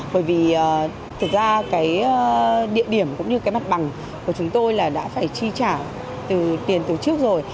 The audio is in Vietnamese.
bởi vì thực ra cái địa điểm cũng như cái mặt bằng của chúng tôi là đã phải chi trả từ tiền từ trước rồi